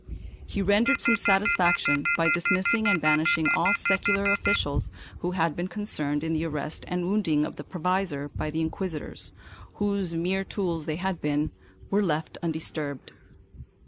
He rendered some satisfaction by dismissing and banishing all secular officials who had been concerned in the arrest and wounding of the provisor, but the inquisitors, whose mere tools they had been, were left undisturbed.